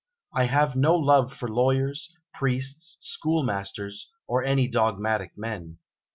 I have no love for lawyers, priests, schoolmasters, or any dogmatic men.